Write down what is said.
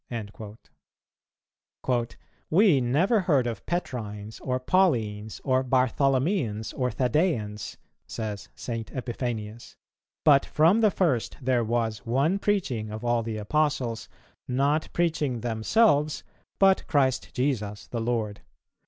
"[258:3] "We never heard of Petrines, or Paulines, or Bartholomeans, or Thaddeans," says St. Epiphanius; "but from the first there was one preaching of all the Apostles, not preaching themselves, but Christ Jesus the Lord.